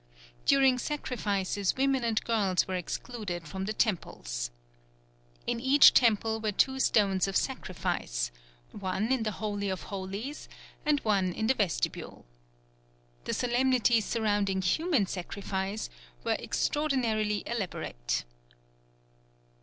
During sacrifices women and girls were excluded from the temples. In each temple were two stones of sacrifice, one in the holy of holies and one in the vestibule. The solemnities surrounding human sacrifice were extraordinarily elaborate.